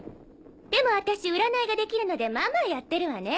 でも私占いができるのでまあまあやってるわね。